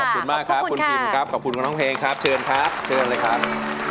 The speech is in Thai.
ขอบคุณมากครับคุณพิมครับขอบคุณคุณน้องเพลงครับเชิญครับเชิญเลยครับ